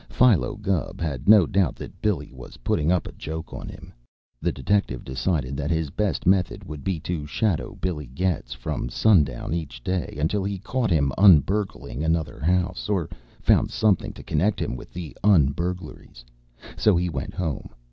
Philo Gubb had no doubt that Billy was putting up a joke on him. The detective decided that his best method would be to shadow Billy Getz from sundown each day, until he caught him un burgling another house, or found something to connect him with the un burglaries. So he went home.